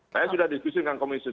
saya sudah diskusi dengan komisi tujuh